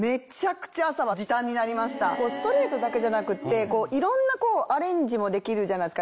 ストレートだけじゃなくっていろんなアレンジもできるじゃないですか。